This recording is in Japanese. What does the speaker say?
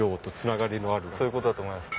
そういうことだと思います。